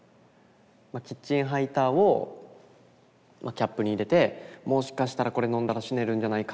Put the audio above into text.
キッチンハイターをキャップに入れてもしかしたらこれ飲んだら死ねるんじゃないか。